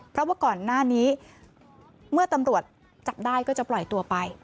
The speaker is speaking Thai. เพราะว่าก่อนหน้านี้เมื่อตำรวจจับได้ก็จะปล่อยตัวไป